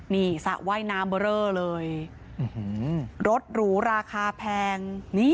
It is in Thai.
นี่สระว่ายน้ำเบอร์เรอเลยรถหรูราคาแพง